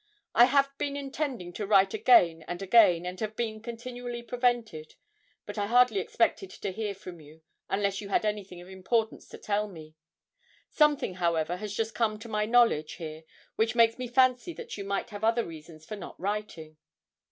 I have been intending to write again and again, and have been continually prevented, but I hardly expected to hear from you unless you had anything of importance to tell me. Something, however, has just come to my knowledge here which makes me fancy that you might have other reasons for not writing.'